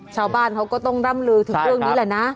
ชาวบ้านเขาก็ต้องร่ำลือถึงเรื่องนี้แหละนะ